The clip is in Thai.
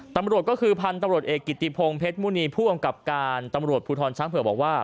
ตำรวจก็คือพันธุ์ตำรวจเอกกิติพงศ์เพชรมุณีผู้อำกับการตำรวจภูทรช้างเผื่อบอกว่า